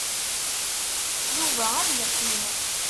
Yuba ad yeqqim.